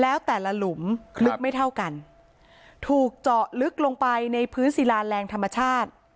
แล้วแต่ละหลุมลึกไม่เท่ากันถูกเจาะลึกลงไปในพื้นศิลาแรงธรรมชาติ